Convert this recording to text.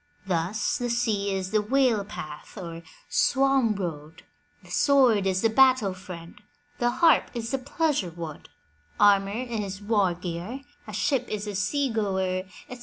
Thus, the sea is the whale path, or swan road, the sword is the battle friend, the harp is the pleasure wood, armour is war gear, a ship is a sea goer, etc.